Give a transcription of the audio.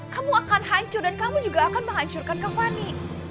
kamu akan hancur dan kamu juga akan menghancurkan kamu